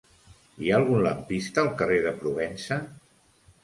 Hi ha algun lampista al carrer de Provença?